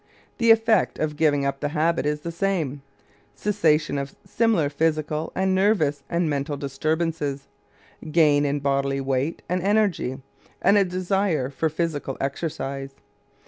The effect of giving up the habit is the same cessation of similar physical and nervous and mental disturbances, gain in bodily weight and energy, and a desire for physical exercise.